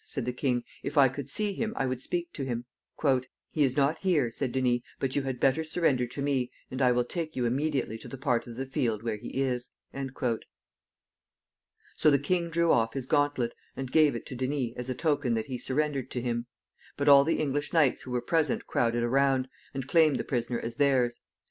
said the king. "If I could see him I would speak to him." "He is not here," said Denys; "but you had better surrender to me, and I will take you immediately to the part of the field where he is." So the king drew off his gauntlet, and gave it to Denys as a token that he surrendered to him; but all the English knights who were present crowded around, and claimed the prisoner as theirs.